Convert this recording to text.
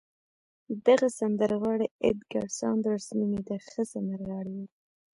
دغه سندرغاړی اېدګر ساندرز نومېده، ښه سندرغاړی و.